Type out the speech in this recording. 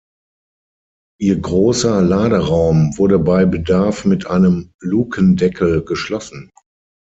Ihr großer Laderaum wurde bei Bedarf mit einem Lukendeckel geschlossen.